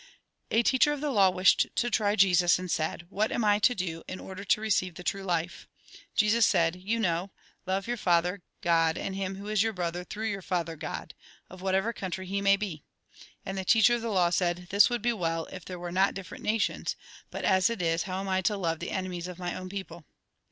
A teacher of the law wished to try. Jesus, and said :" What am I to do in order to receive the true life ?" Jesus said :" You know, — love your Father, God, and him who is your brother through your Father, God ; of whatever country he may be." And the teacher of the law said :" This would be well, if there were not different nations ; but as it is, how am I to love the enemies of my own people